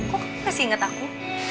kok kamu masih inget aku